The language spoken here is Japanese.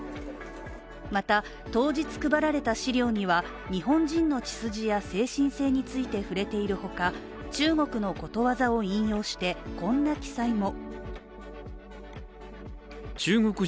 また、当日配られた資料には日本人の血筋や精神性について触れているほか中国のことわざを引用してこんな記載も。